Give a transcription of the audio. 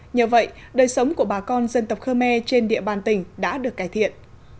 nhờ vậy đời sống của bà con dân tộc khmer trên địa bàn tỉnh đã được cải thiện